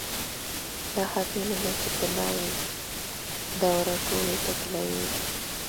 دا حتمي نه ده چې طلايي دوره ټولو ته طلايي وي.